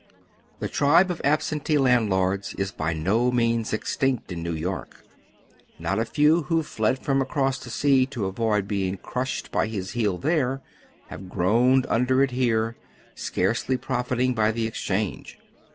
The tribe of absentee landlords is by no means extinct in New York. Kot a few who fled from across the sea to avoid being crushed by his heel there have groaned under it here, scarcely profiting by tlie ex change.